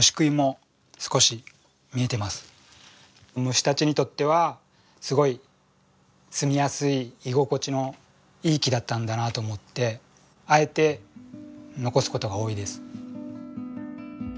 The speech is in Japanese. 虫たちにとってはすごいすみやすい居心地のいい木だったんだなと思ってあえて残すことが多いです。